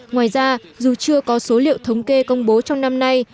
ngoài ra dù chưa có số liệu thống kê công bố trong năm nay